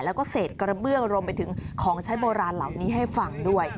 แล้วก็เศษกระเบื้องรวมไปถึงของใช้โบราณเหล่านี้ให้ฟังด้วย